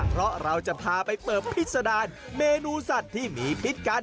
เพราะเราจะพาไปเปิบพิษดารเมนูสัตว์ที่มีพิษกัน